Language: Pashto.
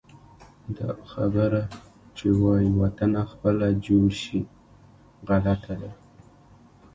دا خبره چې وایي: وطنه خپله جوړ شي، غلطه ده.